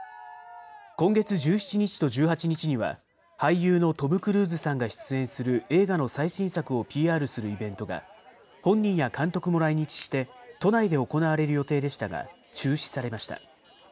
今月１７日と１８日には、俳優のトム・クルーズさんが出演する映画の最新作をＰＲするイベントが、本人や監督も来日して、都内で行われる予定でしたが、中止されました。